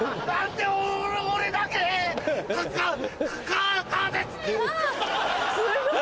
あすごい。